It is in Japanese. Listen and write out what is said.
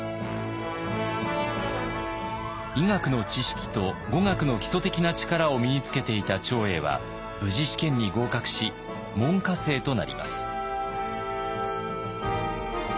医学の知識と語学の基礎的な力を身につけていた長英は無事試験に合格し門下生となります。